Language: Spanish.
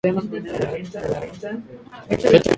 Tiene edición tanto en papel como en línea.